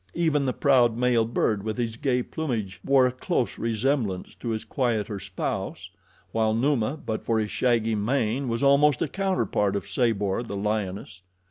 Even the proud male bird, with his gay plumage, bore a close resemblance to his quieter spouse, while Numa, but for his shaggy mane, was almost a counterpart of Sabor, the lioness.